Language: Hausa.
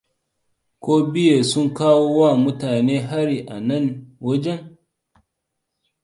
Ko bear sun kawo wa mutane hari anan wajen?